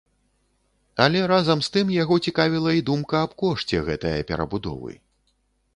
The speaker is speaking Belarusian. Але разам з тым яго цікавіла і думка аб кошце гэтае перабудовы.